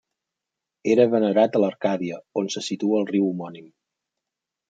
Era venerat a l'Arcàdia, on se situa el riu homònim.